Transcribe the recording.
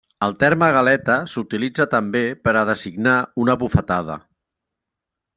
El terme galeta s'utilitza també per a designar una bufetada.